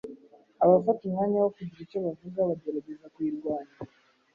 Abafata umwanya wo kugira icyo bavuga, bagerageza kuyirwanya.